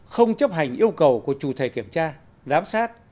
không chấp hành yêu cầu của chủ thể kiểm tra giám sát